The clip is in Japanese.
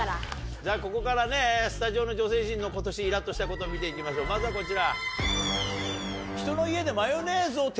じゃあここからスタジオの女性陣の今年イラっとしたこと見て行きましょうまずはこちら。